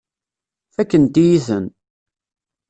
Fakkent-iyi-ten.